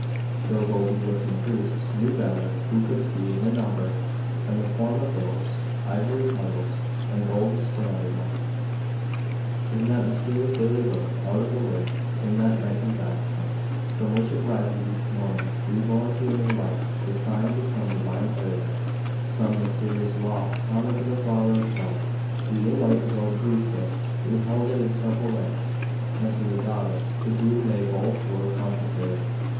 Those old Egyptian priests knew better, who could see in the number and the form of those ivory petals and golden stamina, in that mysterious daily birth out of the wave, in that nightly baptism, from which it rises each morning re born to a new life, the signs of some divine idea, some mysterious law, common to the flower itself, to the white robed priestess who held it in the temple rites, and to the goddess to whom they both were consecrated....